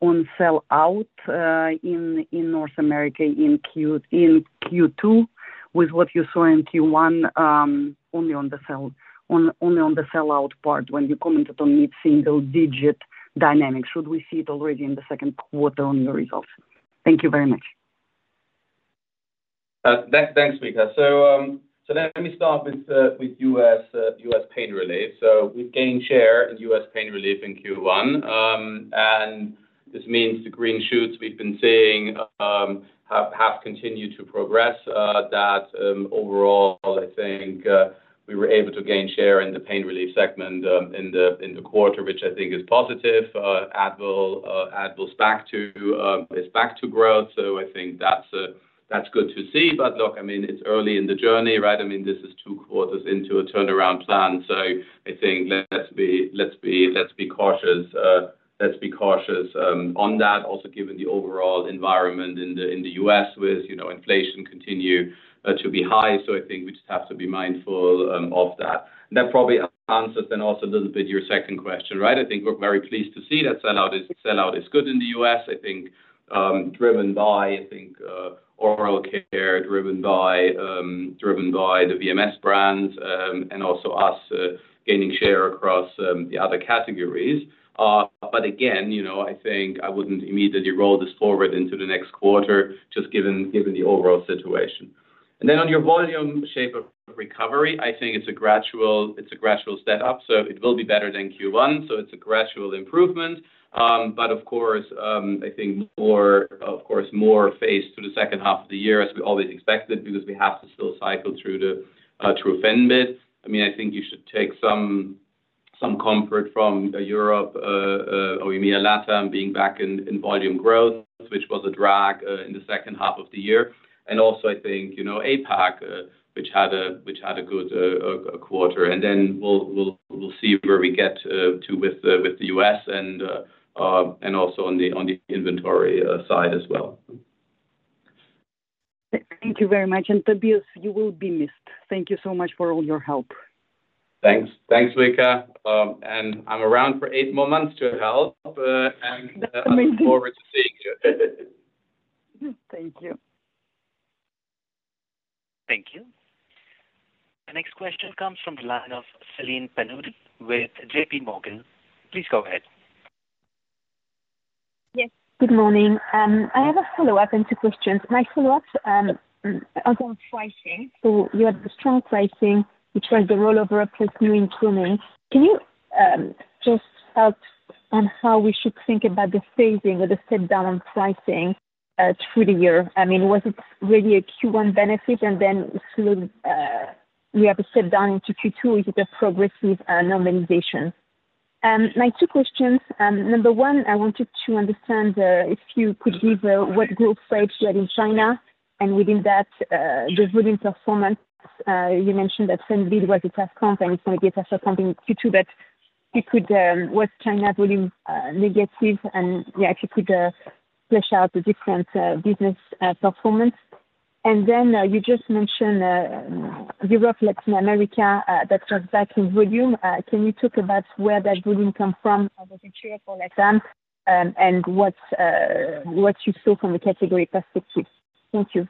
on sell out in North America in Q2 with what you saw in Q1, only on the sell out part, when you commented on mid-single digit dynamics, should we see it already in the second quarter on the results? Thank you very much. Thanks, Vika. So let me start with U.S. Pain Relief. So we've gained share in U.S. pain relief in Q1. And this means the green shoots we've been seeing have continued to progress. Overall, I think we were able to gain share in the Pain Relief segment in the quarter, which I think is positive. Advil's back to... It's back to growth, so I think that's good to see. But look, I mean, it's early in the journey, right? I mean, this is two quarters into a turnaround plan, so I think let's be cautious. Let's be cautious on that. Also, given the overall environment in the U.S., with you know, inflation continue to be high. So I think we just have to be mindful of that. That probably answers then also a little bit your second question, right? I think we're very pleased to see that sell out is good in the U.S. I think driven by, I think, Oral Care driven by, driven by the VMS brands, and also us gaining share across the other categories. But again, you know, I think I wouldn't immediately roll this forward into the next quarter, just given the overall situation. And then on your volume shape of recovery, I think it's a gradual step up, so it will be better than Q1. So it's a gradual improvement. But of course, I think more, of course, more phase to the second half of the year, as we always expected, because we have to still cycle through Fenbid. I mean, I think you should take some comfort from Europe or EMEA LATAM being back in volume growth, which was a drag in the second half of the year. And also, I think, you know, APAC, which had a good quarter, and then we'll see where we get to with the U.S. and also on the inventory side as well. Thank you very much. Tobias, you will be missed. Thank you so much for all your help. Thanks. Thanks, Vika. I'm around for eight more months to help, and- That's amazing... I look forward to seeing you. Thank you. Thank you. The next question comes from the line of Celine Pannuti with JPMorgan. Please go ahead. Yes, good morning. I have a follow-up and two questions. My follow-up about pricing. So you had the strong pricing, which was the rollover plus new improvements. Can you just help on how we should think about the phasing or the step down pricing through the year? I mean, was it really a Q1 benefit? And then slowly we have a step down into Q2, is it a progressive normalization? My two questions, number one, I wanted to understand if you could give what growth rates you had in China, and within that the volume performance. You mentioned that Fenbid was a success, and it's gonna be a success something in Q2, but if you could, what's China volume negative? And, yeah, if you could flesh out the different business performance. You just mentioned Europe, Latin America, that was back in volume. Can you talk about where that volume come from, the picture for LATAM, and what you saw from the category perspectives? Thank you.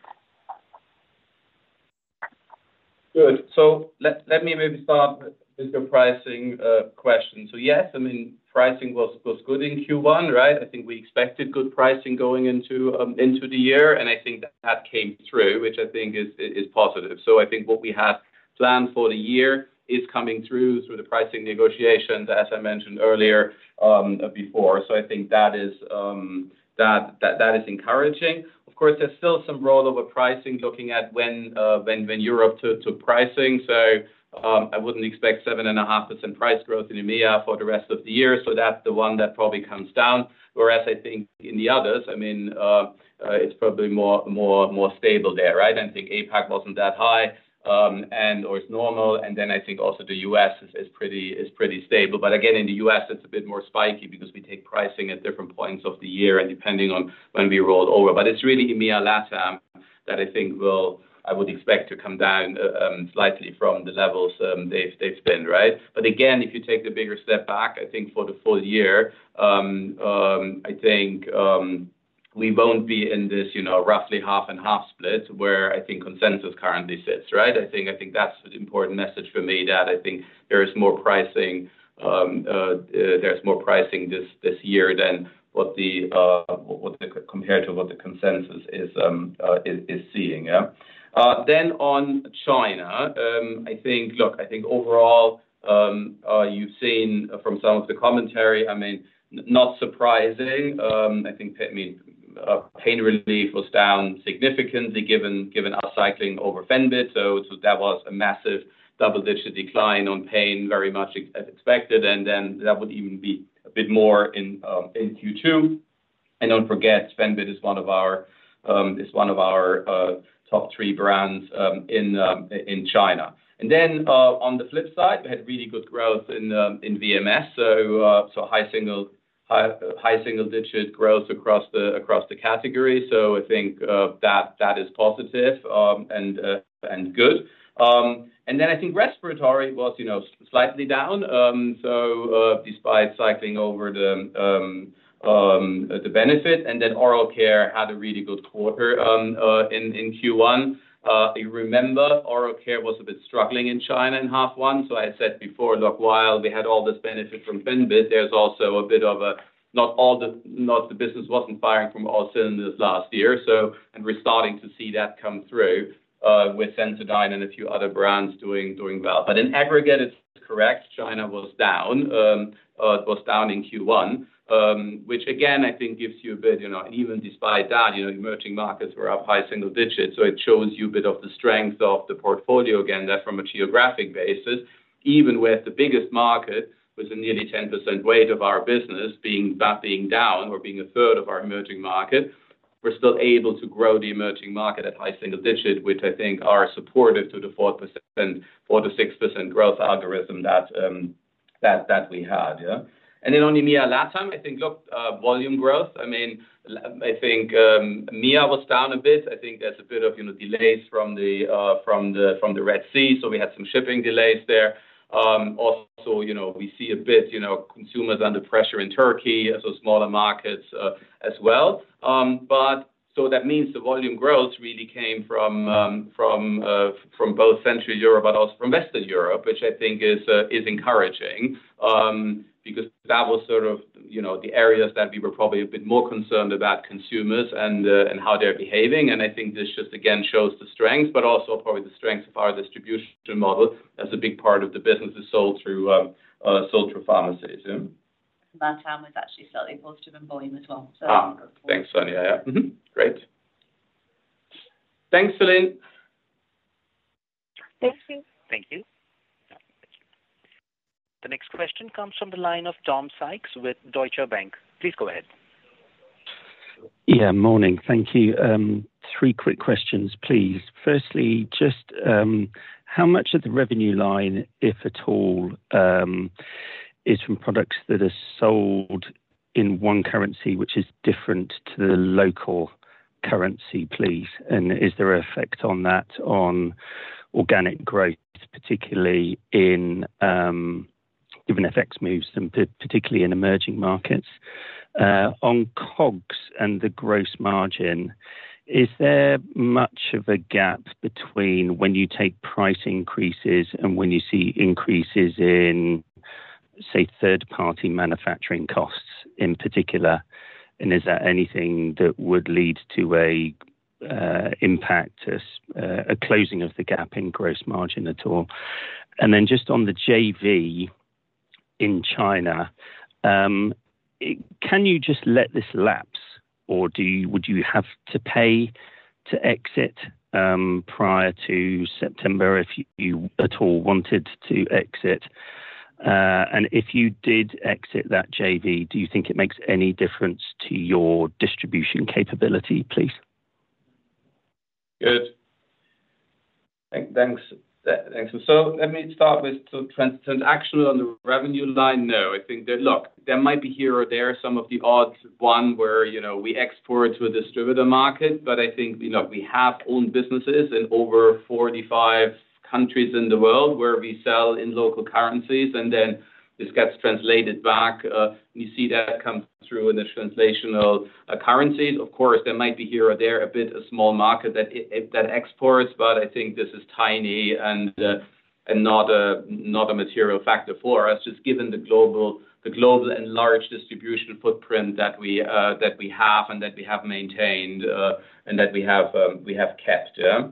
Good. So let me maybe start with the pricing question. So yes, I mean, pricing was good in Q1, right? I think we expected good pricing going into, into the year, and I think that came through, which I think is positive. So I think what we had planned for the year is coming through the pricing negotiations, as I mentioned earlier, before. So I think that is encouraging. Of course, there's still some rollover pricing looking at when when Europe took pricing. So I wouldn't expect 7.5% price growth in EMEA for the rest of the year. So that's the one that probably comes down. Whereas I think in the others, I mean, it's probably more stable there, right? I think APAC wasn't that high, and or it's normal. And then I think also the U.S. is pretty stable. But again, in the U.S., it's a bit more spiky because we take pricing at different points of the year and depending on when we rolled over. But it's really EMEA, LATAM, that I think will... I would expect to come down slightly from the levels they've been, right? But again, if you take the bigger step back, I think for the full year, I think we won't be in this, you know, roughly half-and-half split, where I think consensus currently sits, right? I think that's the important message for me, that I think there is more pricing, there's more pricing this year than compared to what the consensus is seeing. Yeah. Then on China, I think... Look, I think overall, you've seen from some of the commentary, I mean, not surprising. I think, I mean, Pain Relief was down significantly, given our cycling over Fenbid. So that was a massive double-digit decline on pain, very much as expected, and then that would even be a bit more in Q2. And don't forget, Fenbid is one of our top three brands in China. And then, on the flip side, we had really good growth in in VMS, so so high single high single digit growth across the across the category. So I think that that is positive, and and good. And then I think Respiratory was, you know, slightly down, so despite cycling over the the benefit, and then Oral Care had a really good quarter in in Q1. If you remember, Oral Care was a bit struggling in China in half one. So I said before, look, while we had all this benefit from Fenbid, there's also a bit of a, not all the, not the business wasn't firing from all cylinders last year. So and we're starting to see that come through with Sensodyne and a few other brands doing doing well. But in aggregate, it's correct. China was down. It was down in Q1, which again, I think gives you a bit, you know, even despite that, you know, emerging markets were up high single digits, so it shows you a bit of the strength of the portfolio again, that from a geographic basis, even with the biggest market, with a nearly 10% weight of our business being, that being down or being a third of our emerging market, we're still able to grow the emerging market at high single digits, which I think are supportive to the 4%, 4%-6% growth algorithm that, that we had, yeah? And then on the EMEA LATAM, I think, look, volume growth. I mean, I think, EMEA was down a bit. I think there's a bit of, you know, delays from the Red Sea, so we had some shipping delays there. Also, you know, we see a bit, you know, consumers under pressure in Turkey, so smaller markets, as well. But so that means the volume growth really came from both Central Europe, but also from Western Europe, which I think is encouraging, because that was sort of, you know, the areas that we were probably a bit more concerned about consumers and how they're behaving. And I think this just, again, shows the strength, but also probably the strength of our distribution model, as a big part of the business is sold through pharmacy, so. That time was actually slightly positive in volume as well, so. Ah, thanks, Sonya. Yeah. Mm-hmm. Great. Thanks, Celine. Thank you. Thank you. The next question comes from the line of Tom Sykes with Deutsche Bank. Please go ahead. Yeah, morning. Thank you. Three quick questions, please. Firstly, just how much of the revenue line, if at all, is from products that are sold in one currency, which is different to the local currency, please? And is there an effect on that, on organic growth, particularly in given FX moves and particularly in emerging markets? On COGS and the gross margin, is there much of a gap between when you take price increases and when you see increases in, say, third-party manufacturing costs in particular? And is there anything that would lead to a impact, a closing of the gap in gross margin at all? Then just on the JV in China, can you just let this lapse, or would you have to pay to exit prior to September if you at all wanted to exit? And if you did exit that JV, do you think it makes any difference to your distribution capability, please? Good. Thanks. Thanks. So let me start with transaction on the revenue line. No, I think that, look, there might be here or there some of the odds, one, where, you know, we export to a distributor market, but I think, you know, we have own businesses in over 45 countries in the world where we sell in local currencies, and then this gets translated back, you see that come through in the translational currencies. Of course, there might be here or there, a bit a small market that that exports, but I think this is tiny and, and not a, not a material factor for us, just given the global, the global and large distribution footprint that we, that we have and that we have maintained, and that we have, we have kept, yeah.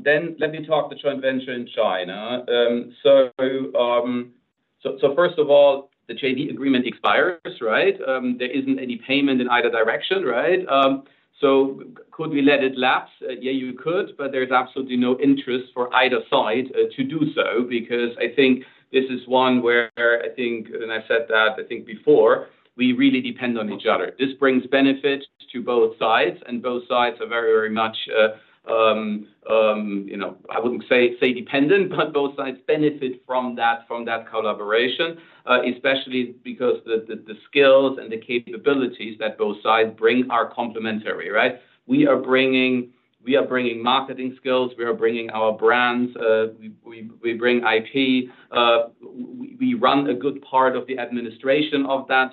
Then let me talk the joint venture in China. So first of all, the JV agreement expires, right? There isn't any payment in either direction, right? So could we let it lapse? Yeah, you could, but there's absolutely no interest for either side to do so, because I think this is one where I think, and I said that, I think before, we really depend on each other. This brings benefits to both sides, and both sides are very, very much, you know, I wouldn't say, say dependent, but both sides benefit from that, from that collaboration, especially because the skills and the capabilities that both sides bring are complementary, right? We are bringing, we are bringing marketing skills, we are bringing our brands, we, we, we bring IP. We run a good part of the administration of that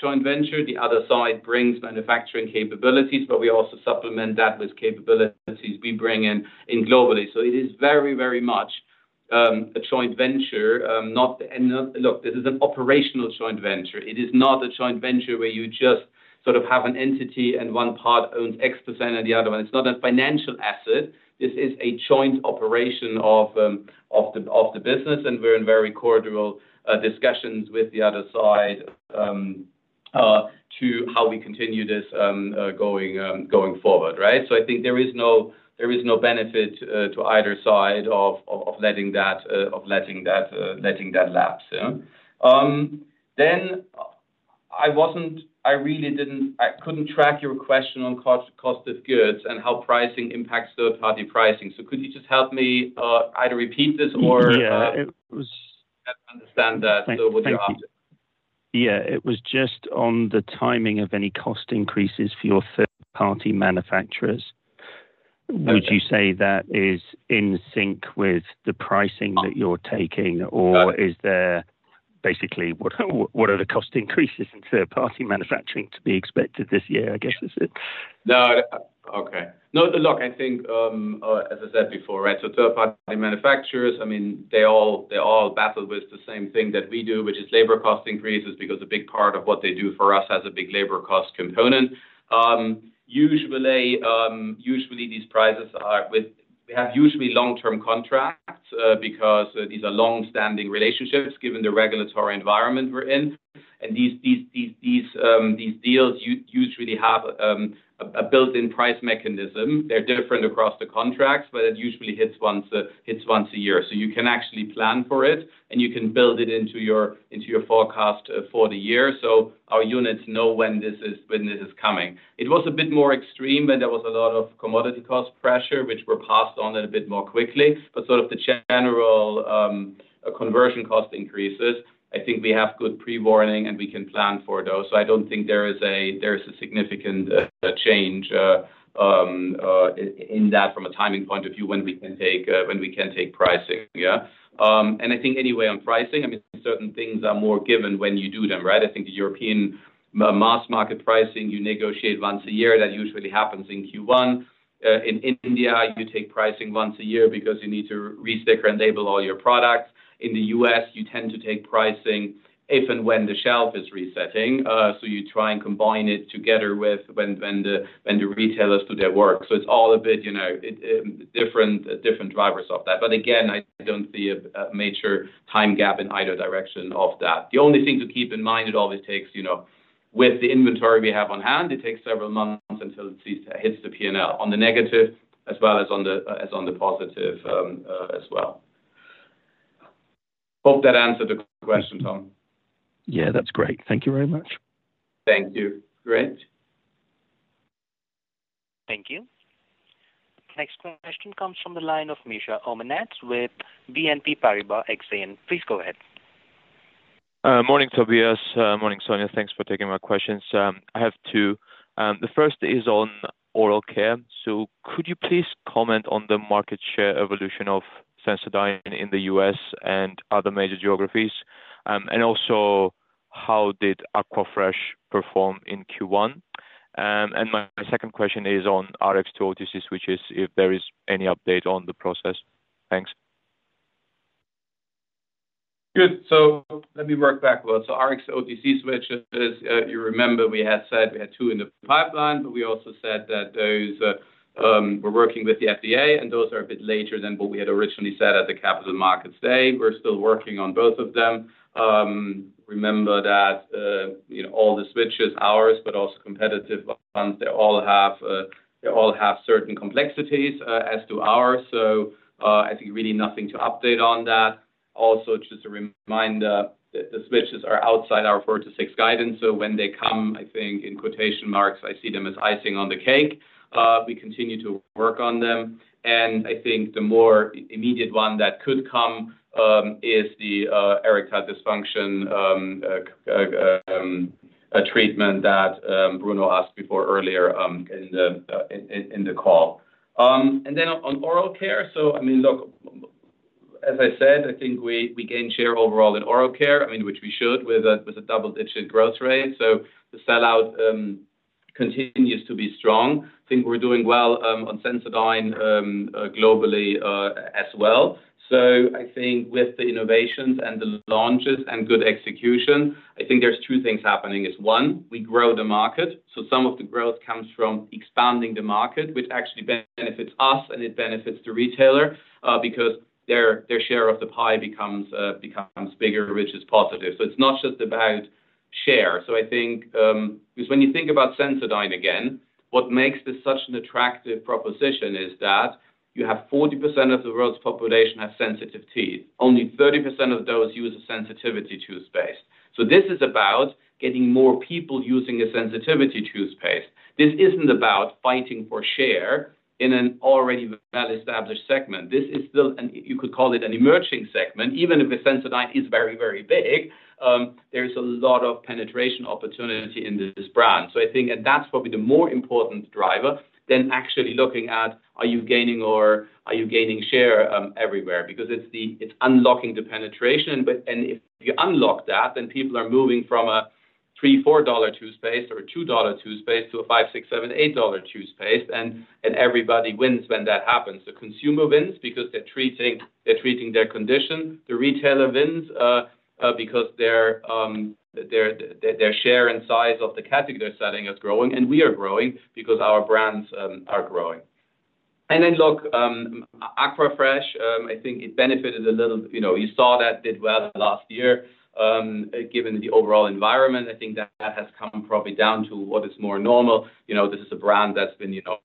joint venture. The other side brings manufacturing capabilities, but we also supplement that with capabilities we bring in globally. So it is very, very much a joint venture, not... And, look, this is an operational joint venture. It is not a joint venture where you just sort of have an entity and one part owns X% and the other one. It's not a financial asset. This is a joint operation of the business, and we're in very cordial discussions with the other side to how we continue this going forward, right? So I think there is no benefit to either side of letting that lapse, yeah. I couldn't track your question on cost, cost of goods and how pricing impacts third-party pricing. So could you just help me either repeat this or- Yeah, it was- I understand that, so what you're asking. Yeah, it was just on the timing of any cost increases for your third-party manufacturers. Okay. Would you say that is in sync with the pricing that you're taking? Uh. Or is there basically, what are the cost increases in third-party manufacturing to be expected this year, I guess is it? No. Okay. No, look, I think, as I said before, right? So third-party manufacturers, I mean, they all, they all battle with the same thing that we do, which is labor cost increases, because a big part of what they do for us has a big labor cost component. Usually, usually these prices are we have usually long-term contracts, because these are long-standing relationships, given the regulatory environment we're in. And these, these, these, these, these deals usually have a built-in price mechanism. They're different across the contracts, but it usually hits once a year. So you can actually plan for it, and you can build it into your, into your forecast for the year. So our units know when this is, when this is coming. It was a bit more extreme, and there was a lot of commodity cost pressure, which were passed on it a bit more quickly. But sort of the general conversion cost increases, I think we have good pre-warning and we can plan for those. So I don't think there is a, there's a significant change in that from a timing point of view, when we can take, when we can take pricing. Yeah. And I think anyway, on pricing, I mean, certain things are more given when you do them, right? I think the European mass market pricing, you negotiate once a year. That usually happens in Q1. In India, you take pricing once a year because you need to resticker and label all your products. In the U.S., you tend to take pricing if and when the shelf is resetting. So you try and combine it together with when the retailers do their work. So it's all a bit, you know, different drivers of that. But again, I don't see a major time gap in either direction of that. The only thing to keep in mind, it always takes, you know. With the inventory we have on hand, it takes several months until it sees, hits the P&L on the negative as well as on the positive as well. Hope that answered the question, Tom. Yeah, that's great. Thank you very much. Thank you. Great. Thank you. Next question comes from the line of Mikheil Omanadze with BNP Paribas Exane. Please go ahead. Morning, Tobias. Morning, Sonya. Thanks for taking my questions. I have two. The first is on Oral Care. So could you please comment on the market share evolution of Sensodyne in the U.S. and other major geographies? And also, how did Aquafresh perform in Q1? And my second question is on RX to OTC switches, if there is any update on the process. Thanks. Good. So let me work backwards. So Rx-to-OTC switches, you remember we had said we had two in the pipeline, but we also said that those, we're working with the FDA, and those are a bit later than what we had originally said at the Capital Markets Day. We're still working on both of them. Remember that, you know, all the switches, ours, but also competitive ones, they all have, they all have certain complexities, as do ours. So, I think really nothing to update on that. Also, just a reminder, the switches are outside our 4%-6% guidance, so when they come, I think in quotation marks, I see them as icing on the cake. We continue to work on them, and I think the more immediate one that could come is the erectile dysfunction a treatment that Bruno asked before earlier in the call. And then on Oral Care, so, I mean, look, as I said, I think we gain share overall in Oral Care, I mean, which we should, with a double-digit growth rate. So the sell-out continues to be strong. I think we're doing well on Sensodyne globally as well. So I think with the innovations and the launches and good execution, I think there's two things happening, is, one, we grow the market. So some of the growth comes from expanding the market, which actually benefits us, and it benefits the retailer, because their, their share of the pie becomes bigger, which is positive. So it's not just about share. So I think, because when you think about Sensodyne again, what makes this such an attractive proposition is that you have 40% of the world's population have sensitive teeth. Only 30% of those use a sensitivity toothpaste. So this is about getting more people using a sensitivity toothpaste. This isn't about fighting for share in an already well-established segment. This is still an... You could call it an emerging segment, even if the Sensodyne is very, very big, there's a lot of penetration opportunity in this brand. So I think that's probably the more important driver than actually looking at, are you gaining or are you gaining share, everywhere? Because it's unlocking the penetration, but and if you unlock that, then people are moving from a $3-$4 toothpaste or a $2 toothpaste to a $5, $6, $7, $8 toothpaste, and everybody wins when that happens. The consumer wins because they're treating, they're treating their condition. The retailer wins, because their share and size of the category they're selling is growing, and we are growing because our brands are growing. And then, look, Aquafresh, I think it benefited a little. You know, you saw that did well last year. Given the overall environment, I think that has come probably down to what is more normal. You know, this is a brand that's been, you know,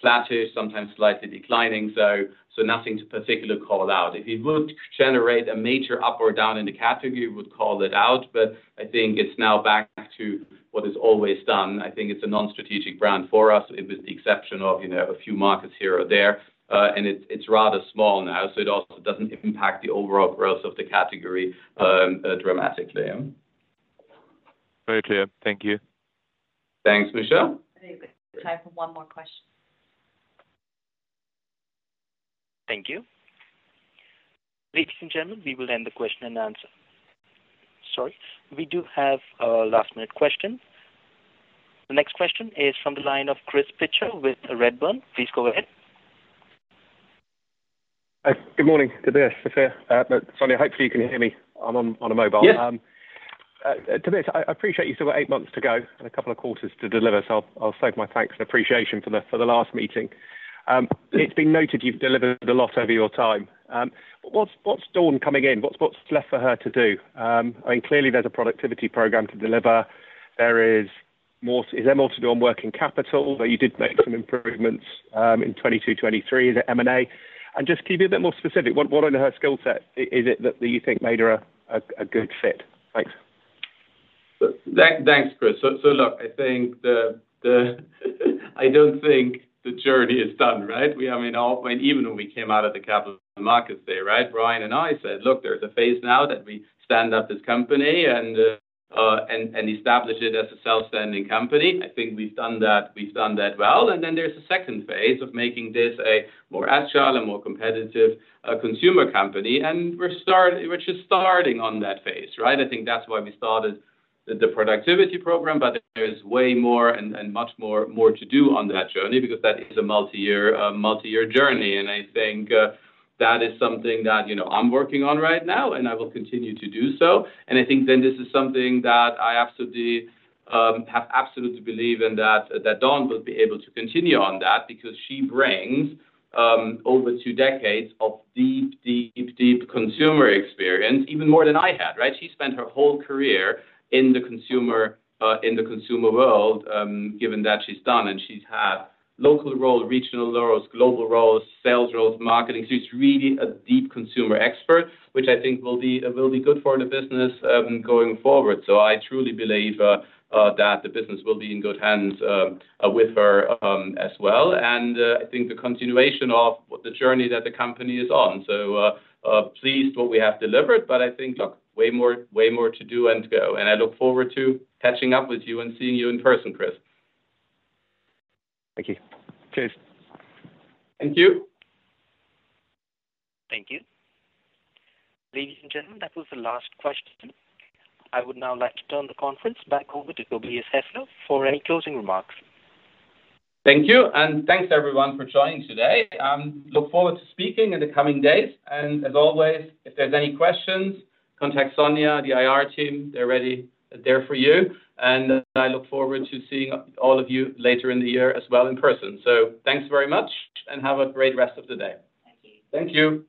flattish, sometimes slightly declining, so, so nothing to particularly call out. If it would generate a major up or down in the category, we would call it out, but I think it's now back to what it's always done. I think it's a non-strategic brand for us, with the exception of, you know, a few markets here or there, and it's rather small now, so it also doesn't impact the overall growth of the category, dramatically. Very clear. Thank you. Thanks, Mikheil. We have time for one more question. Thank you. Ladies and gentlemen, we will end the question and answer. Sorry, we do have a last-minute question. The next question is from the line of Chris Pitcher with Redburn. Please go ahead. Hi, good morning, Tobias, Sofia. Sonya, hopefully, you can hear me. I'm on a mobile. Yes. Tobias, I appreciate you still got eight months to go and a couple of quarters to deliver, so I'll save my thanks and appreciation for the last meeting. It's been noted you've delivered a lot over your time. What's Dawn coming in? What's left for her to do? I mean, clearly, there's a productivity program to deliver. There is more, is there more to do on working capital, but you did make some improvements in 2022, 2023, the M&A? Just can you be a bit more specific, what in her skill set is it that you think made her a good fit? Thanks.... Thanks, Chris. So look, I think I don't think the journey is done, right? We, I mean, when we came out of the capital markets day, right? Brian and I said, "Look, there's a phase now that we stand up this company and establish it as a self-standing company." I think we've done that, we've done that well. And then there's a second phase of making this a more agile and more competitive consumer company, and we're just starting on that phase, right? I think that's why we started the productivity program, but there's way more and much more to do on that journey, because that is a multi-year journey. And I think that is something that, you know, I'm working on right now, and I will continue to do so. I think then this is something that I absolutely have absolutely believe in, that Dawn will be able to continue on that because she brings over two decades of deep, deep, deep consumer experience, even more than I had, right? She spent her whole career in the consumer world, given that she's done, and she's had local roles, regional roles, global roles, sales roles, marketing. She's really a deep consumer expert, which I think will be good for the business going forward. So I truly believe that the business will be in good hands with her as well. And I think the continuation of the journey that the company is on. So pleased what we have delivered, but I think, look, way more, way more to do and to go. I look forward to catching up with you and seeing you in person, Chris. Thank you. Cheers. Thank you. Thank you. Ladies and gentlemen, that was the last question. I would now like to turn the conference back over to Tobias Hestler for any closing remarks. Thank you, and thanks, everyone, for joining today. Look forward to speaking in the coming days. As always, if there's any questions, contact Sonya, the IR team. They're ready there for you, and I look forward to seeing all of you later in the year as well in person. Thanks very much, and have a great rest of the day. Thank you. Thank you.